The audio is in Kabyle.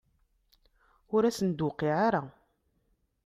Ur asen-d-tuqiɛ ara.